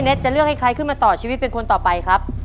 จะเลือกให้ใครขึ้นมาต่อชีวิตเป็นคนต่อไปครับ